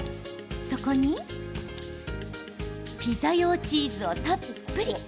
そこにピザ用チーズをたっぷり。